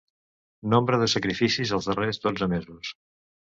Nombre de sacrificis els darrers dotze mesos.